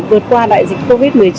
vượt qua đại dịch covid một mươi chín